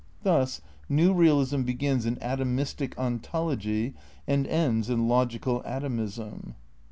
Thus new realism begins in atomistic ontology and ends in logical atomism.